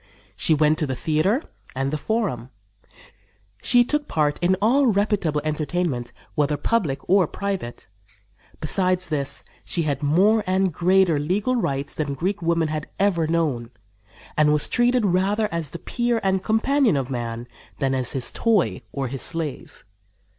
She went to the theater and the Forum; she took part in all reputable entertainment, whether public or private. Besides this, she had more and greater legal rights than Greek women had ever known, and was treated rather as the peer and companion of man than as his toy or his slave.